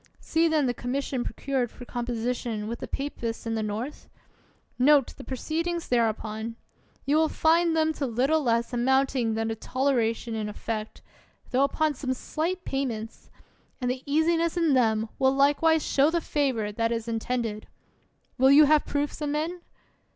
See then the commission procured for composition with the papists in the North? Note the pro ceedings thereupon. You will find them to little less amounting than a toleration in effect, tho upon some slight payments; and the easiness in them will likewise show the favor that is in tended. Will you have proofs of men?